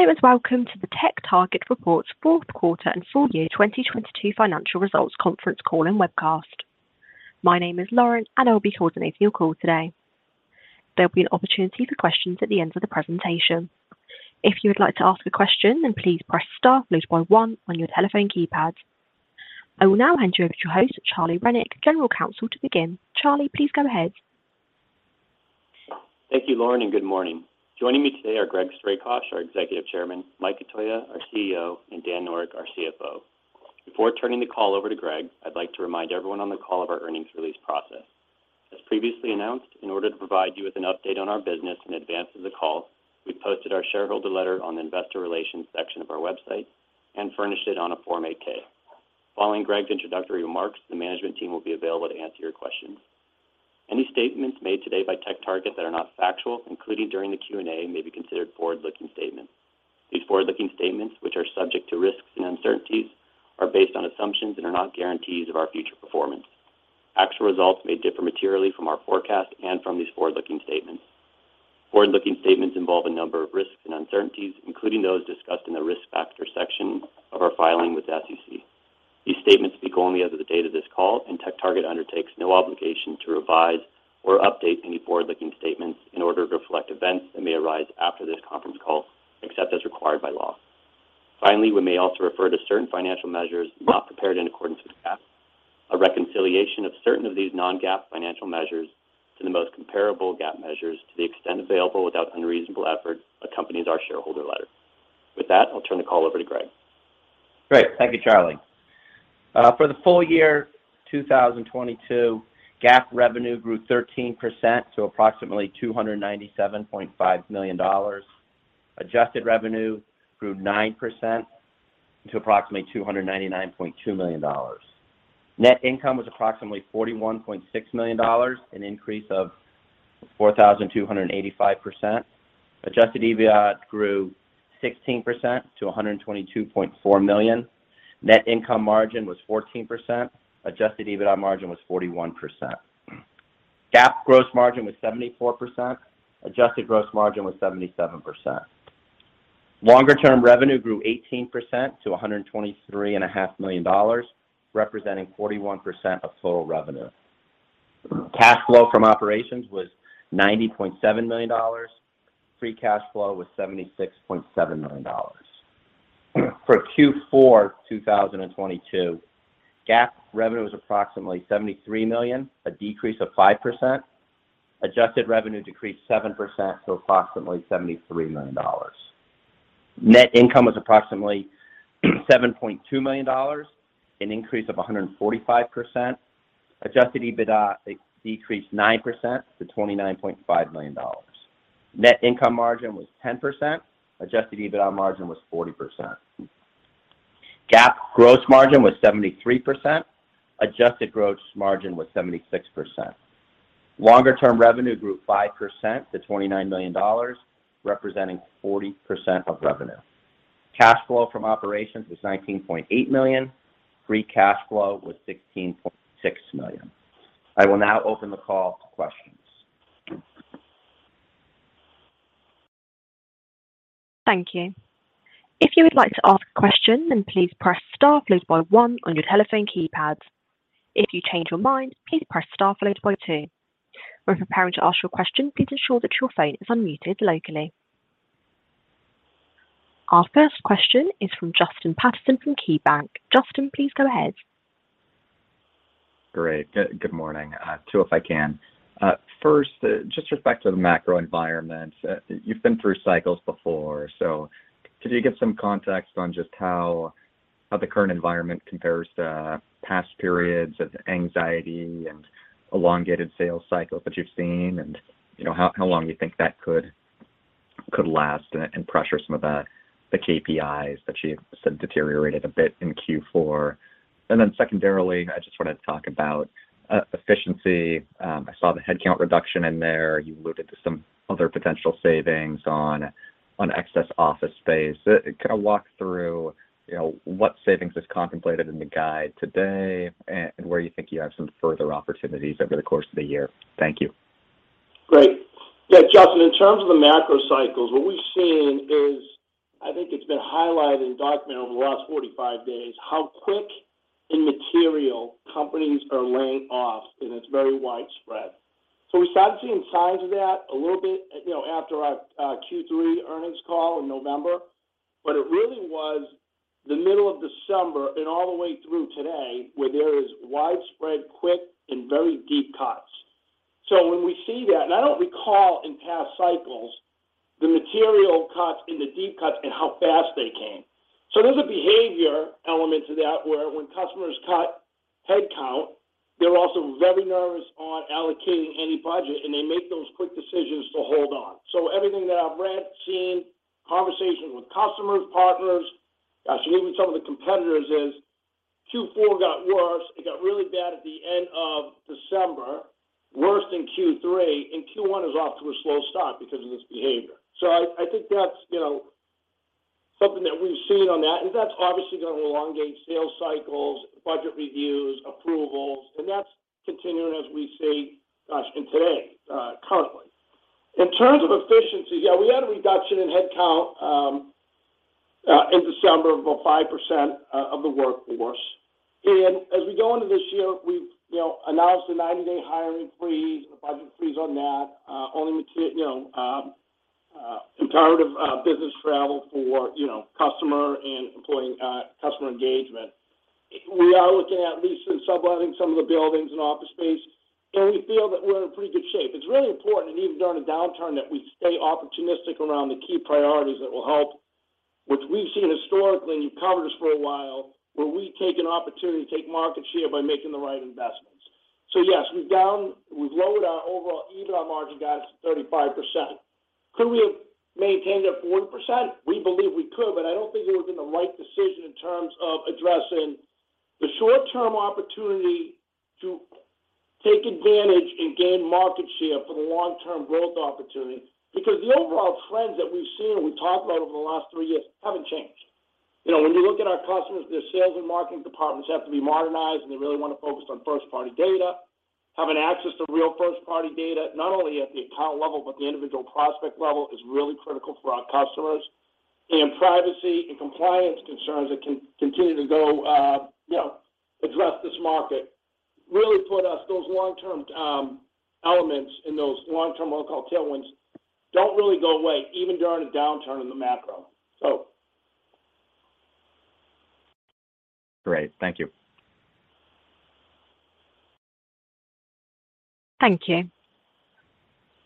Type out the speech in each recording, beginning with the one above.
Hello, and welcome to the TechTarget Reports fourth quarter and full year 2022 financial results conference call and webcast. My name is Lauren, and I will be coordinating your call today. There'll be an opportunity for questions at the end of the presentation. If you would like to ask a question, then please press star followed by one on your telephone keypad. I will now hand you over to your host, Charlie Rennick, General Counsel, to begin. Charlie, please go ahead. Thank you, Lauren, and good morning. Joining me today are Greg Strakosch, our Executive Chairman, Mike Cotoia, our CEO, and Dan Noreck, our CFO. Before turning the call over to Greg, I'd like to remind everyone on the call of our earnings release process. As previously announced, in order to provide you with an update on our business in advance of the call, we posted our shareholder letter on the investor relations section of our website and furnished it on a Form 8-K. Following Greg's introductory remarks, the management team will be available to answer your questions. Any statements made today by TechTarget that are not factual, including during the Q&A, may be considered forward-looking statements. These forward-looking statements, which are subject to risks and uncertainties, are based on assumptions and are not guarantees of our future performance. Actual results may differ materially from our forecast and from these forward-looking statements. Forward-looking statements involve a number of risks and uncertainties, including those discussed in the Risk Factors section of our filing with the SEC. These statements speak only as of the date of this call, and TechTarget undertakes no obligation to revise or update any forward-looking statements in order to reflect events that may arise after this conference call, except as required by law. Finally, we may also refer to certain financial measures not prepared in accordance with GAAP. A reconciliation of certain of these non-GAAP financial measures to the most comparable GAAP measures to the extent available without unreasonable effort accompanies our shareholder letter. With that, I'll turn the call over to Greg. Great. Thank you, Charlie. For the full year 2022, GAAP revenue grew 13% to approximately $297.5 million. Adjusted revenue grew 9% to approximately $299.2 million. Net income was approximately $41.6 million, an increase of 4,285%. Adjusted EBITDA grew 16% to $122.4 million. Net income margin was 14%. Adjusted EBITDA margin was 41%. GAAP gross margin was 74%. Adjusted gross margin was 77%. Longer-term revenue grew 18% to $123.5 million, representing 41% of total revenue. Cash flow from operations was $90.7 million. Free cash flow was $76.7 million. For Q4 2022, GAAP revenue was approximately $73 million, a decrease of 5%. Adjusted revenue decreased 7% to approximately $73 million. Net income was approximately $7.2 million, an increase of 145%. Adjusted EBITDA decreased 9% to $29.5 million. Net income margin was 10%. Adjusted EBITDA margin was 40%. GAAP gross margin was 73%. Adjusted gross margin was 76%. Longer term revenue grew 5% to $29 million, representing 40% of revenue. Cash flow from operations was $19.8 million. Free cash flow was $16.6 million. I will now open the call to questions. Thank you. If you would like to ask a question, please press star followed by one on your telephone keypad. If you change your mind, please press star followed by two. When preparing to ask your question, please ensure that your phone is unmuted locally. Our first question is from Justin Patterson from KeyBanc. Justin, please go ahead. Great. Good morning. Two, if I can. First, just respect to the macro environment. You've been through cycles before, so could you give some context on just how the current environment compares to past periods of anxiety and elongated sales cycles that you've seen and, you know, how long you think that could last and pressure some of the KPIs that you had said deteriorated a bit in Q4? Secondarily, I just wanted to talk about efficiency. I saw the headcount reduction in there. You alluded to some other potential savings on excess office space. Kind of walk through, you know, what savings is contemplated in the guide today and where you think you have some further opportunities over the course of the year. Thank you. Great. Yeah, Justin, in terms of the macro cycles, what we've seen is, I think it's been highlighted and documented over the last 45 days, how quick and material companies are laying off, and it's very widespread. We started seeing signs of that a little bit, you know, after our Q3 earnings call in November. It really was the middle of December and all the way through today where there is widespread, quick, and very deep cuts. When we see that, I don't recall in past cycles the material cuts and the deep cuts and how fast they came. There's a behavior element to that where when customers cut headcount, they're also very nervous on allocating any budget, and they make those quick decisions to hold on. Everything that I've read, seen, conversations with customers, partners, gosh, and even some of the competitors is Q4 got worse. It got really bad at the end of December, worse than Q3, and Q1 is off to a slow start because of this behavior. I think that's, you know. Something that we've seen on that is that's obviously gonna elongate sales cycles, budget reviews, approvals, that's continuing as we see, gosh, and today, currently. In terms of efficiency, yeah, we had a reduction in headcount in December of 5% of the workforce. As we go into this year, we've, you know, announced a 90-day hiring freeze, a budget freeze on that, only to you know, imperative business travel for, you know, customer and employee customer engagement. We are looking at leasing and subletting some of the buildings and office space, and we feel that we're in pretty good shape. It's really important, and even during a downturn, that we stay opportunistic around the key priorities that will help, which we've seen historically, and you've covered us for a while, where we take an opportunity to take market share by making the right investments. Yes, we've down- we've lowered our overall EBITDA margin guides to 35%. Could we have maintained at 40%? We believe we could, but I don't think it would've been the right decision in terms of addressing the short-term opportunity to take advantage and gain market share for the long-term growth opportunity. The overall trends that we've seen and we've talked about over the last three years haven't changed. You know, when you look at our customers, their sales and marketing departments have to be modernized, and they really wanna focus on first-party data. Having access to real first-party data, not only at the account level, but the individual prospect level, is really critical for our customers. Privacy and compliance concerns that can continue to go, you know, address this market, really put us those long-term elements in those long-term, we'll call tailwinds, don't really go away even during a downturn in the macro. Great. Thank you. Thank you.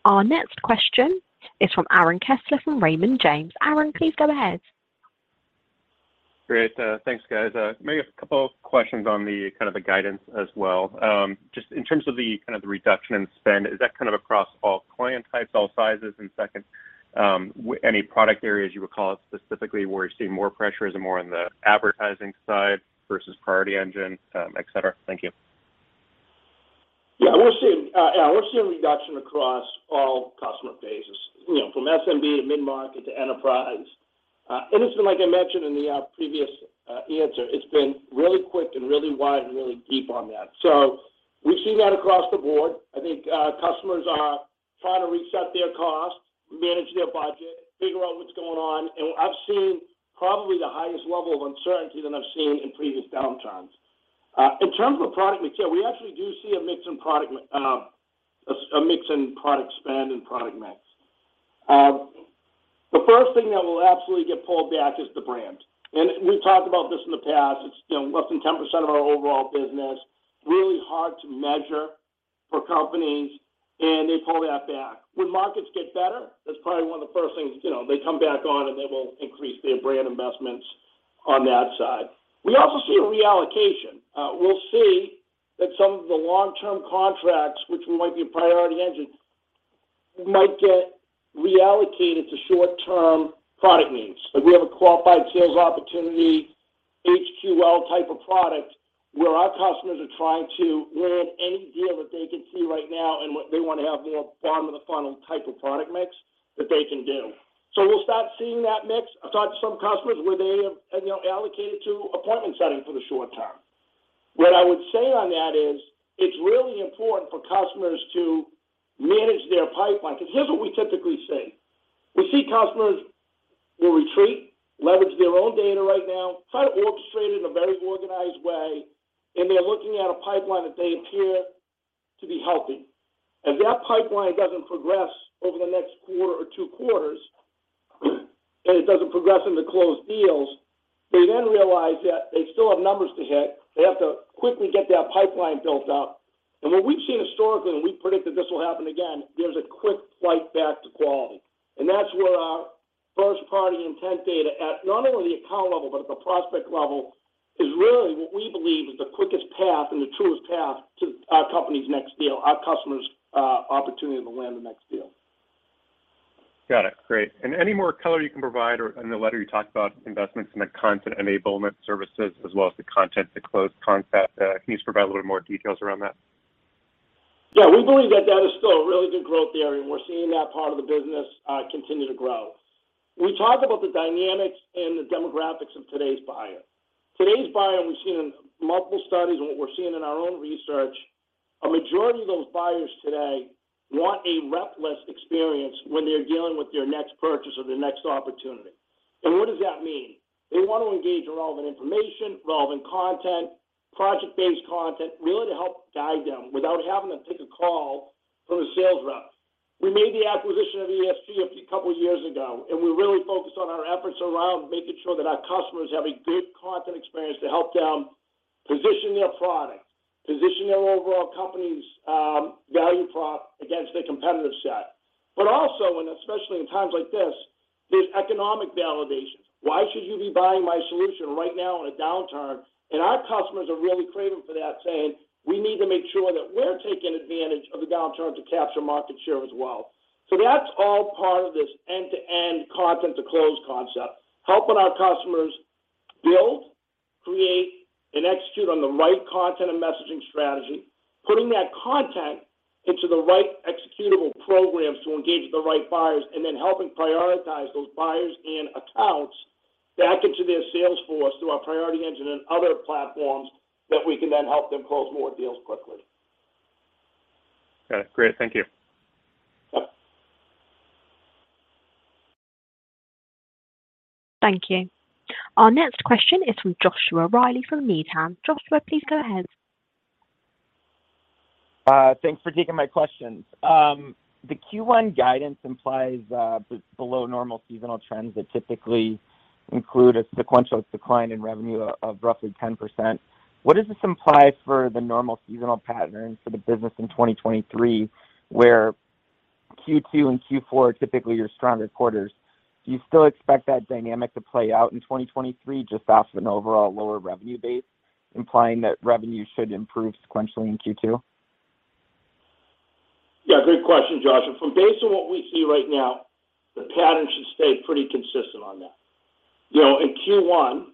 Our next question is from Aaron Kessler from Raymond James. Aaron, please go ahead. Great. Thanks, guys. Maybe a couple of questions on the kind of the guidance as well. Just in terms of the kind of the reduction in spend, is that kind of across all client types, all sizes? Second, any product areas you would call out specifically where you're seeing more pressures and more on the advertising side versus Priority Engine, et cetera? Thank you. Yeah, we're seeing reduction across all customer bases, you know, from SMB to mid-market to enterprise. It's been like I mentioned in the previous answer. It's been really quick and really wide and really deep on that. We've seen that across the board. I think customers are trying to reset their costs, manage their budget, figure out what's going on, and I've seen probably the highest level of uncertainty than I've seen in previous downturns. In terms of a product mix, yeah, we actually do see a mix in product spend and product mix. The first thing that will absolutely get pulled back is the brand. We've talked about this in the past. It's, you know, less than 10% of our overall business, really hard to measure for companies. They pull that back. When markets get better, that's probably one of the first things, you know, they come back on. They will increase their brand investments on that side. We'll see that some of the long-term contracts, which might be a Priority Engine, might get reallocated to short-term product needs. Like we have a Qualified Sales Opportunity, HQL type of product, where our customers are trying to land any deal that they can see right now. What they wanna have more bottom of the funnel type of product mix that they can do. We'll start seeing that mix. I've talked to some customers where they have, you know, allocated to appointment setting for the short term. What I would say on that is it's really important for customers to manage their pipeline, 'cause here's what we typically see. We see customers will retreat, leverage their own data right now, try to orchestrate in a very organized way, and they're looking at a pipeline that they appear to be healthy. If that pipeline doesn't progress over the next quarter or two quarters, and it doesn't progress into closed deals, they then realize that they still have numbers to hit. They have to quickly get that pipeline built up. What we've seen historically, and we predict that this will happen again, there's a quick flight back to quality. That's where our first-party intent data at not only the account level, but at the prospect level, is really what we believe is the quickest path and the truest path to our company's next deal, our customer's opportunity to land the next deal. Got it. Great. Any more color you can provide or in the letter you talked about investments in the Content Enablement services as well as the content to close concept? Can you just provide a little more details around that? Yeah. We believe that that is still a really good growth area, and we're seeing that part of the business continue to grow. We talk about the dynamics and the demographics of today's buyer. Today's buyer, we've seen in multiple studies and what we're seeing in our own research, a majority of those buyers today want a rep-less experience when they're dealing with their next purchase or their next opportunity. What does that mean? They want to engage in relevant information, relevant content, project-based content, really to help guide them without having to take a call from a sales rep. We made the acquisition of ESG a few, couple years ago, and we really focused on our efforts around making sure that our customers have a good content experience to help them position their product, position their overall company's value prop against their competitive set. Also, and especially in times like this, there's economic validation. Why should you be buying my solution right now in a downturn? Our customers are really craving for that, saying, "We need to make sure that we're taking advantage of the downturn to capture market share as well." That's all part of this end-to-end content to close concept. The right content and messaging strategy, putting that content into the right executable programs to engage the right buyers, and then helping prioritize those buyers and accounts back into their sales force through our Priority Engine and other platforms that we can then help them close more deals quickly. Got it. Great. Thank you. Yep. Thank you. Our next question is from Joshua Reilly from Needham. Joshua, please go ahead. Thanks for taking my questions. The Q1 guidance implies below normal seasonal trends that typically include a sequential decline in revenue of roughly 10%. What does this imply for the normal seasonal pattern and for the business in 2023, where Q2 and Q4 are typically your stronger quarters? Do you still expect that dynamic to play out in 2023 just off of an overall lower revenue base, implying that revenue should improve sequentially in Q2? Yeah, great question, Josh. From based on what we see right now, the pattern should stay pretty consistent on that. You know, in Q1,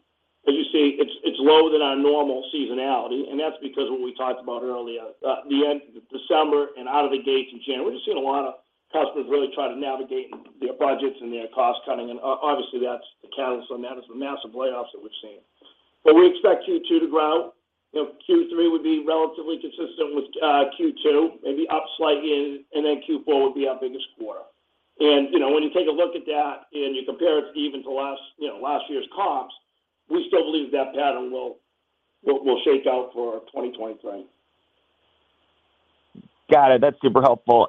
as you see, it's lower than our normal seasonality, and that's because what we talked about earlier. The end of December and out of the gate in January, we're just seeing a lot of customers really try to navigate their budgets and their cost cutting. Obviously, that's accounting for some massive layoffs that we've seen. We expect Q2 to grow. You know, Q3 would be relatively consistent with Q2, maybe up slight in, and then Q4 would be our biggest quarter. You know, when you take a look at that and you compare it even to last, you know, last year's comps, we still believe that pattern will shake out for 2023. Got it. That's super helpful.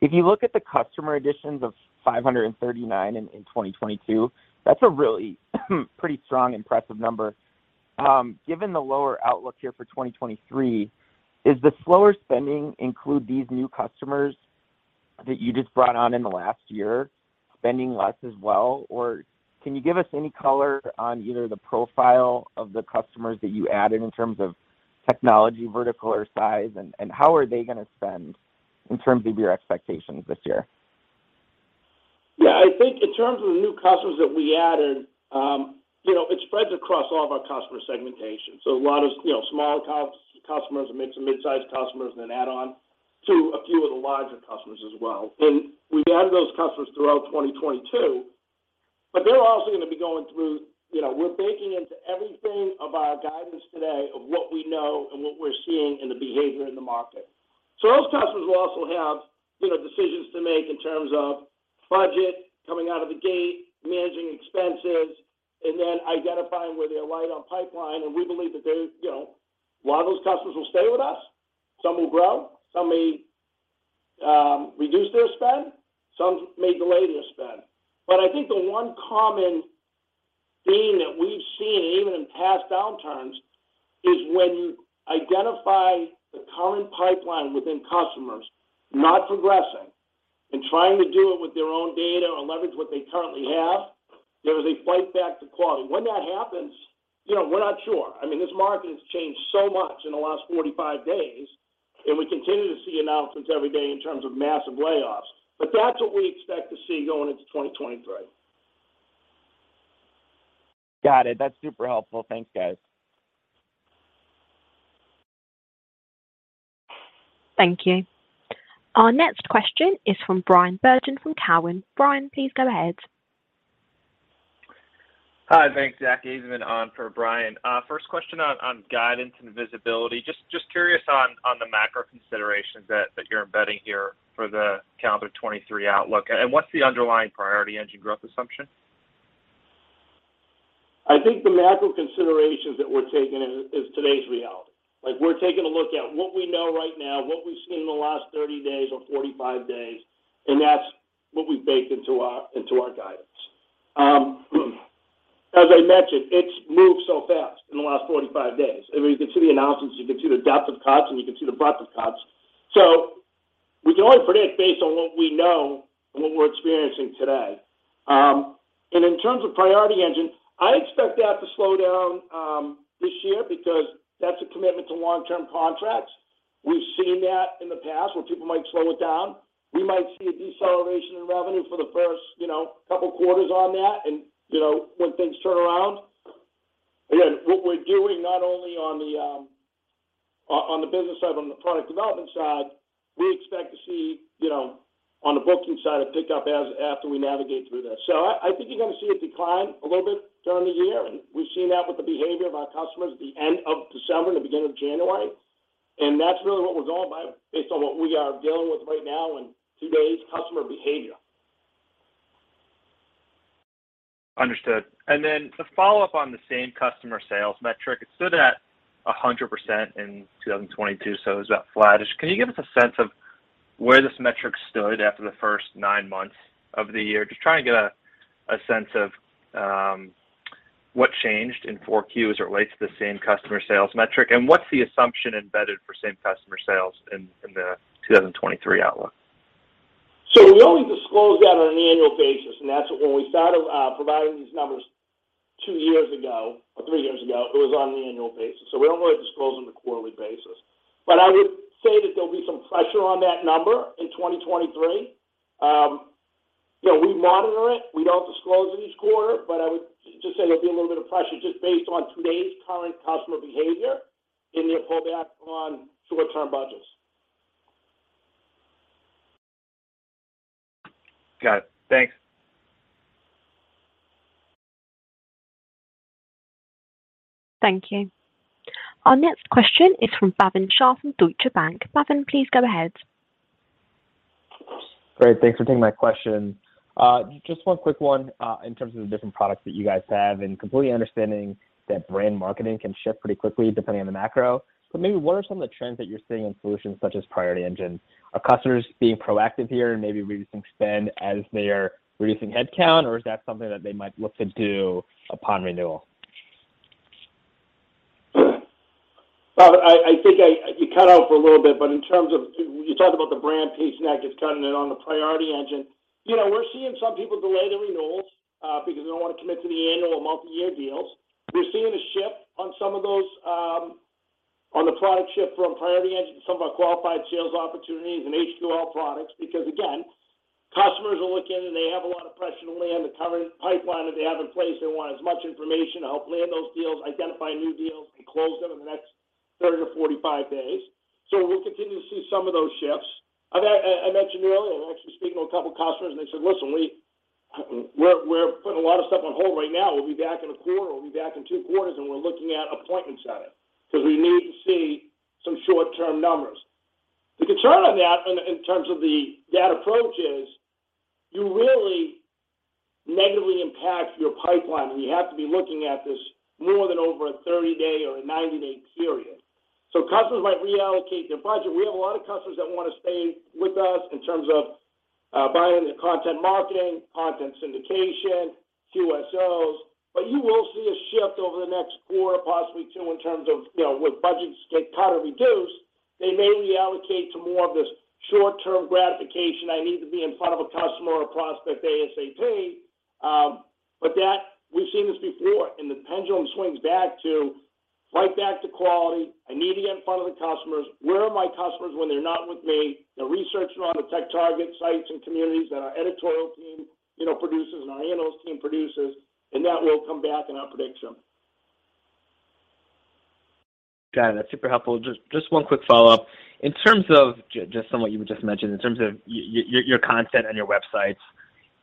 If you look at the customer additions of 539 in 2022, that's a really pretty strong, impressive number. Given the lower outlook here for 2023, is the slower spending include these new customers that you just brought on in the last year spending less as well? Can you give us any color on either the profile of the customers that you added in terms of technology, vertical or size, and how are they gonna spend in terms of your expectations this year? Yeah. I think in terms of the new customers that we added, you know, it spreads across all of our customer segmentation. A lot of, you know, small customers, mid to mid-sized customers, add on to a few of the larger customers as well. We've added those customers throughout 2022, they're also gonna be going through. You know, we're baking into everything of our guidance today of what we know and what we're seeing in the behavior in the market. Those customers will also have, you know, decisions to make in terms of budget coming out of the gate, managing expenses, and then identifying where they align on pipeline. We believe that they, you know, a lot of those customers will stay with us, some will grow, some may reduce their spend, some may delay their spend. I think the one common theme that we've seen even in past downturns is when you identify the current pipeline within customers not progressing and trying to do it with their own data or leverage what they currently have, there is a fight back to quality. When that happens, you know, we're not sure. I mean, this market has changed so much in the last 45 days, we continue to see announcements every day in terms of massive layoffs. That's what we expect to see going into 2023. Got it. That's super helpful. Thanks, guys. Thank you. Our next question is from Bryan Bergin from Cowen. Bryan, please go ahead. Hi. Thanks, Evan. Even on for Bryan. First question on guidance and visibility. Curious on the macro considerations that you're embedding here for the calendar 2023 outlook. What's the underlying Priority Engine growth assumption? I think the macro considerations that we're taking in is today's reality. Like, we're taking a look at what we know right now, what we've seen in the last 30 days or 45 days, and that's what we've baked into our, into our guidance. As I mentioned, it's moved so fast in the last 45 days. I mean, you can see the announcements, you can see the depth of cuts, and you can see the breadth of cuts. We can only predict based on what we know and what we're experiencing today. In terms of Priority Engine, I expect that to slow down this year because that's a commitment to long-term contracts. We've seen that in the past where people might slow it down. We might see a deceleration in revenue for the first, you know, two quarters on that and, you know, when things turn around. Again, what we're doing not only on the business side, on the product development side, we expect to see, you know, on the booking side a pickup as after we navigate through this. I think you're gonna see a decline a little bit during the year, and we've seen that with the behavior of our customers at the end of December and the beginning of January. That's really what we're going by based on what we are dealing with right now and today's customer behavior. Understood. Then to follow up on the same customer sales metric, it stood at 100% in 2022. It was about flattish. Can you give us a sense of where this metric stood after the first nine months of the year? Just trying to get a sense of what changed in Q4 as it relates to the same customer sales metric, and what's the assumption embedded for same customer sales in the 2023 outlook? We only disclose that on an annual basis, and that's when we started providing these numbers two years ago or three years ago, it was on an annual basis. We don't really disclose on a quarterly basis. Pressure on that number in 2023. You know, we monitor it. We don't disclose it each quarter, but I would just say there'll be a little bit of pressure just based on today's current customer behavior in their pullback on short-term budgets. Got it. Thanks. Thank you. Our next question is from Bhavin Shah from Deutsche Bank. Bhavin, please go ahead. Great. Thanks for taking my question. Just one quick one, in terms of the different products that you guys have, and completely understanding that brand marketing can shift pretty quickly depending on the macro. Maybe what are some of the trends that you're seeing in solutions such as Priority Engine? Are customers being proactive here and maybe reducing spend as they are reducing headcount, or is that something that they might look to do upon renewal? I think you cut out for a little bit, but in terms of you talked about the brand pace and that gets cutting in on the Priority Engine. You know, we're seeing some people delay the renewals because they don't wanna commit to the annual or multi-year deals. We're seeing a shift on some of those on the product shift from Priority Engine to some of our Qualified Sales Opportunities and HQL products. Again, customers will look in, and they have a lot of pressure to land the current pipeline that they have in place. They want as much information to help land those deals, identify new deals, and close them in the next 30 to 45 days. We'll continue to see some of those shifts. Other, I mentioned earlier, I'm actually speaking to a couple of customers, and they said, "Listen, we're putting a lot of stuff on hold right now. We'll be back in a quarter, we'll be back in 2 quarters, and we're looking at appointments on it because we need to see some short-term numbers." The concern on that in terms of that approach is you really negatively impact your pipeline, and you have to be looking at this more than over a 30-day or a 90-day period. Customers might reallocate their budget. We have a lot of customers that wanna stay with us in terms of buying the content marketing, content syndication, QSOs. You will see a shift over the next quarter, possibly 2, in terms of, you know, with budgets get cut or reduced, they may reallocate to more of this short-term gratification. I need to be in front of a customer or a prospect ASAP." That we've seen this before, and the pendulum swings back to right back to quality. "I need to get in front of the customers. Where are my customers when they're not with me? They're researching on the TechTarget sites and communities that our editorial team, you know, produces and our analyst team produces," That will come back in our prediction. Got it. That's super helpful. Just one quick follow-up. In terms of just on what you just mentioned, in terms of your content on your websites,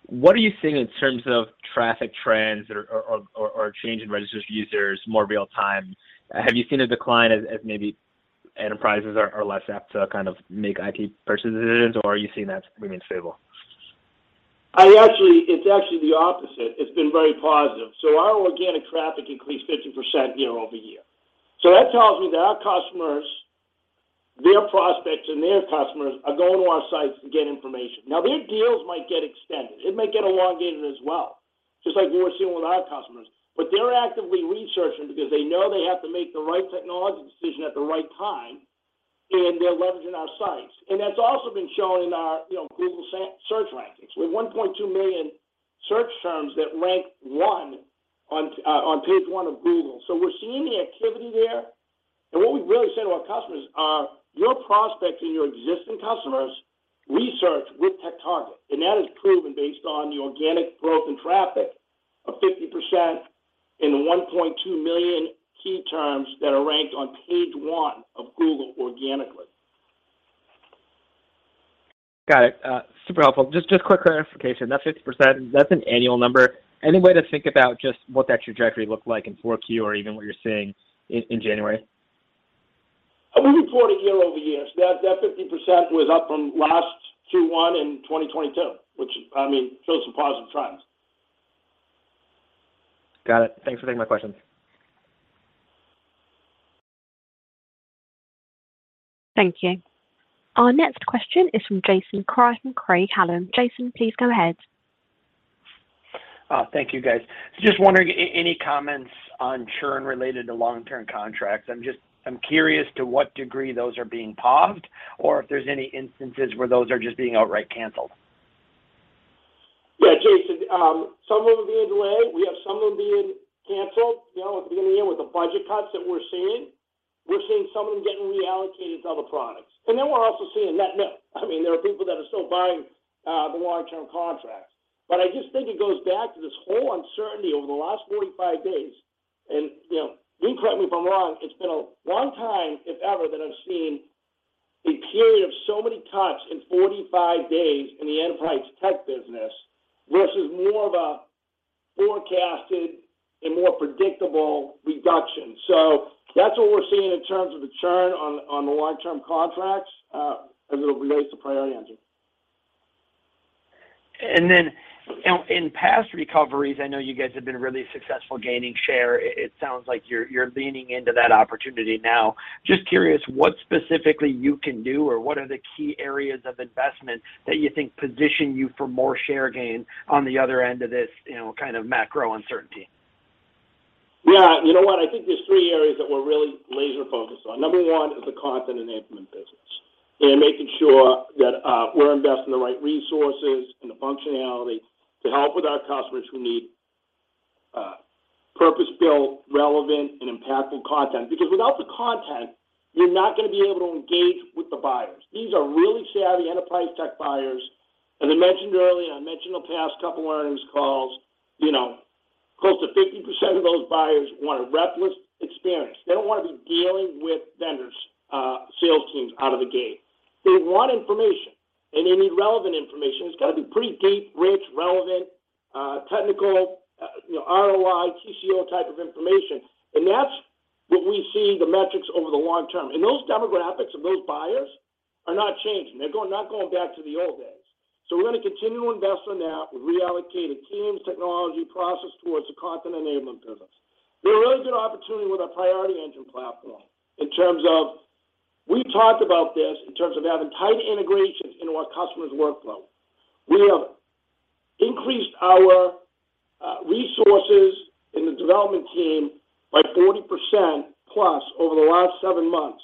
what are you seeing in terms of traffic trends or change in registered users more real time? Have you seen a decline as maybe enterprises are less apt to kind of make IT purchases, or are you seeing that remain stable? It's actually the opposite. It's been very positive. Our organic traffic increased 50% year-over-year. That tells me that our customers, their prospects, and their customers are going to our sites to get information. Now, their deals might get extended. It might get elongated as well, just like we were seeing with our customers. They're actively researching because they know they have to make the right technology decision at the right time, and they're leveraging our sites. That's also been shown in our, you know, Google search rankings. We have 1.2 million search terms that rank 1 on page 1 of Google. We're seeing the activity there. What we really say to our customers are, "Your prospects and your existing customers research with TechTarget." That is proven based on the organic growth in traffic of 50% in the 1.2 million key terms that are ranked on page one of Google organically. Got it. super helpful. Just quick clarification. That 50%, that's an annual number. Any way to think about just what that trajectory looked like in 4Q or even what you're seeing in January? We report it year-over-year. That 50% was up from last Q1 in 2022, which, I mean, shows some positive trends. Got it. Thanks for taking my questions. Thank you. Our next question is from Jason Kreyer from Craig-Hallum. Jason, please go ahead. Thank you guys. Just wondering any comments on churn related to long-term contracts. I'm curious to what degree those are being paused or if there's any instances where those are just being outright canceled. Yeah, Jason. Some of them are being delayed. We have some of them being canceled. You know, at the beginning of the year with the budget cuts that we're seeing, we're seeing some of them getting reallocated to other products. We're also seeing net new. I mean, there are people that are still buying, the long-term contracts. I just think it goes back to this whole uncertainty over the last 45 days. Please correct me if I'm wrong, it's been a long time, if ever, that I've seen a period of so many cuts in 45 days in the enterprise tech business versus more of a forecasted and more predictable reduction. That's what we're seeing in terms of the churn on the long-term contracts, as it relates to Priority Engine. You know, in past recoveries, I know you guys have been really successful gaining share. It sounds like you're leaning into that opportunity now. Just curious what specifically you can do or what are the key areas of investment that you think position you for more share gain on the other end of this, you know, kind of macro uncertainty? Yeah. You know what? I think there's three areas that we're really laser-focused on. Number one is the Content Enablement business and making sure that we're investing the right resources and the functionality to help with our customers who need purpose-built, relevant, and impactful content. Without the content, you're not gonna be able to engage with the buyers. These are really savvy enterprise tech buyers. As I mentioned earlier, and I mentioned on the past couple earnings calls, you know, close to 50% of those buyers want a rep-less experience. They don't wanna be dealing with vendors, sales teams out of the gate. They want information, and they need relevant information. It's gotta be pretty deep, rich, relevant, technical, you know, ROI, TCO type of information. That's what we see the metrics over the long term. Those demographics of those buyers are not changing. They're not going back to the old days. We're gonna continue to invest in that with reallocated teams, technology, process towards the Content Enablement business. There are really good opportunity with our Priority Engine platform. We talked about this in terms of having tight integrations into our customer's workflow. We have increased our resources in the development team by 40%+ over the last seven months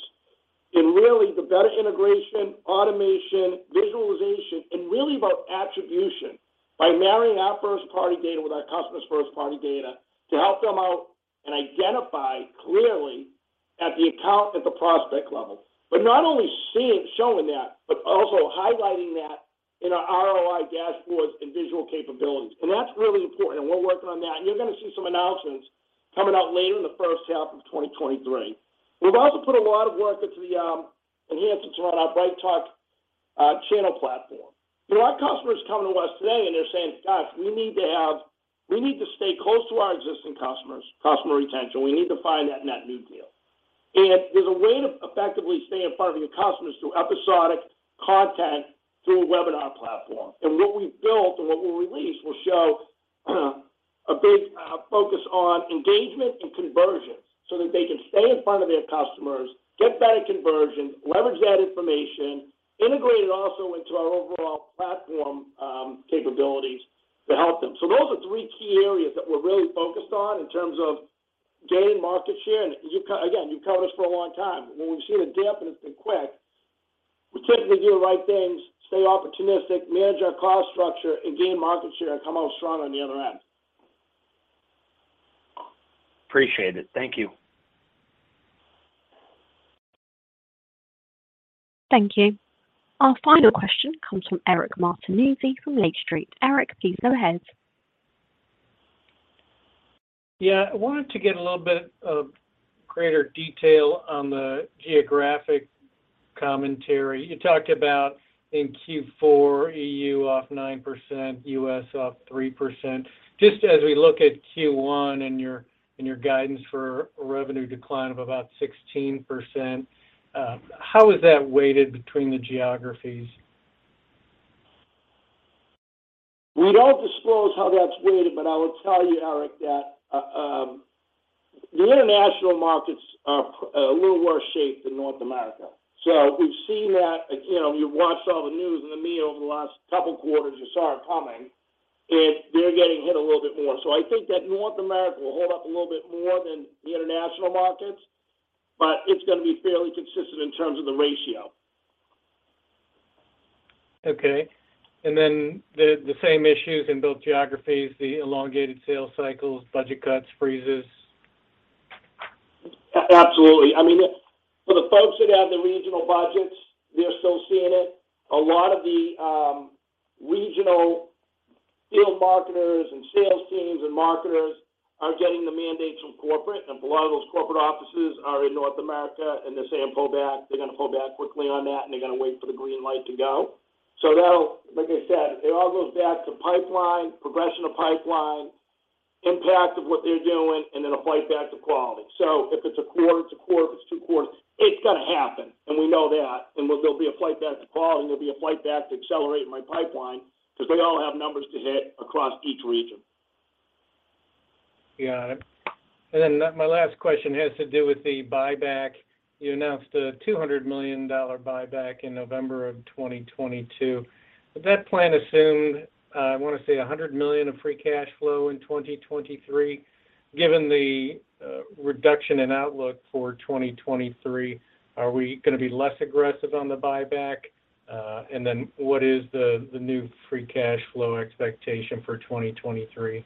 in really the better integration, automation, visualization, and really about attribution by marrying our first-party data with our customer's first-party data to help them out and identify clearly at the account, at the prospect level. Not only seeing, showing that, but also highlighting that in our ROI dashboards and visual capabilities. That's really important, and we're working on that. You're gonna see some announcements coming out later in the first half of 2023. We've also put a lot of work into the enhancements around our BrightTALK channel platform. You know, our customers coming to us today and they're saying, "Gosh, we need to stay close to our existing customers, customer retention. We need to find that net new deal." There's a way to effectively stay in front of your customers through episodic content through a webinar platform. What we've built and what we'll release will show a big focus on engagement and conversions so that they can stay in front of their customers, get better conversions, leverage that information, integrate it also into our overall platform capabilities to help them. Those are three key areas that we're really focused on in terms of gaining market share. You again, you've covered us for a long time. When we've seen a dip and it's been quick, we typically do the right things, stay opportunistic, manage our cost structure and gain market share and come out stronger on the other end. Appreciate it. Thank you. Thank you. Our final question comes from Eric Martinuzzi from Lake Street. Eric, please go ahead. Yeah. I wanted to get a little bit of greater detail on the geographic commentary. You talked about in Q4, EU off 9%, US off 3%. Just as we look at Q1 and your, and your guidance for revenue decline of about 16%, how is that weighted between the geographies? We don't disclose how that's weighted. I will tell you, Eric, that the international markets are a little worse shape than North America. We've seen that. You know, you've watched all the news and the media over the last couple quarters, you saw it coming. They're getting hit a little bit more. I think that North America will hold up a little bit more than the international markets, but it's gonna be fairly consistent in terms of the ratio. Okay. Then the same issues in both geographies, the elongated sales cycles, budget cuts, freezes? Absolutely. I mean, for the folks that have the regional budgets, they're still seeing it. A lot of the regional field marketers and sales teams and marketers are getting the mandates from corporate, and a lot of those corporate offices are in North America, and they're saying pull back. They're gonna pull back quickly on that, and they're gonna wait for the green light to go. Like I said, it all goes back to pipeline, progression of pipeline, impact of what they're doing, and then a flight back to quality. If it's a quarter, it's a quarter. If it's two quarters, it's gonna happen, and we know that. There'll be a flight back to quality, and there'll be a flight back to accelerate my pipeline because they all have numbers to hit across each region. Got it. My last question has to do with the buyback. You announced a $200 million buyback in November 2022. That plan assumed, I want to say $100 million of free cash flow in 2023. Given the reduction in outlook for 2023, are we going to be less aggressive on the buyback? What is the new free cash flow expectation for 2023?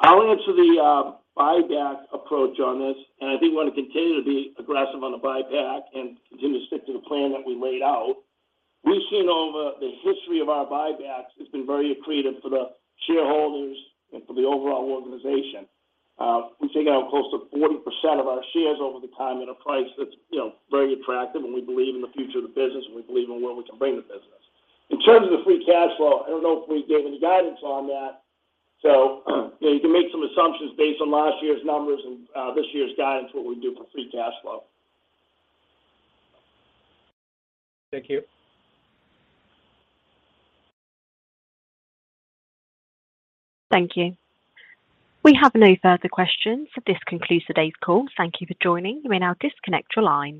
I'll answer the buyback approach on this, and I think we're gonna continue to be aggressive on the buyback and continue to stick to the plan that we laid out. We've seen over the history of our buybacks, it's been very accretive for the shareholders and for the overall organization. We've taken out close to 40% of our shares over the time at a price that's very attractive, and we believe in the future of the business, and we believe in where we can bring the business. In terms of the free cash flow, I don't know if we gave any guidance on that. You can make some assumptions based on last year's numbers and this year's guidance what we do for free cash flow. Thank you. Thank you. We have no further questions. This concludes today's call. Thank you for joining. You may now disconnect your line.